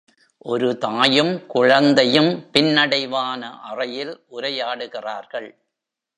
ஒரு தாயும் குழந்தையும் பின்னடைவான அறையில் உரையாடுகிறார்கள்.